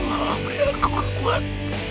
ya allah apriah kuku kuat